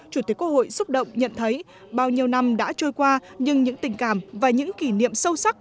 chủ tịch quốc hội xúc động nhận thấy bao nhiêu năm đã trôi qua nhưng những tình cảm và những kỷ niệm sâu sắc